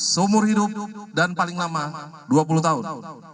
seumur hidup dan paling lama dua puluh tahun